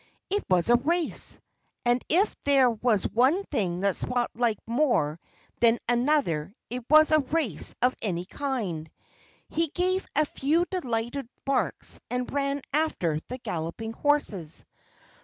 It was a race! And if there was one thing that Spot liked more than another it was a race of any kind. He gave a few delighted barks and ran after the galloping horses.